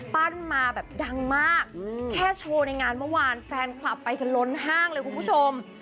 มาแบบดังมากแค่โชว์ในงานเมื่อวานแฟนคลับไปกันล้นห้างเลยคุณผู้ชม